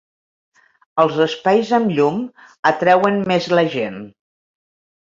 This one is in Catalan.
Els espais amb llum atrauen més la gent.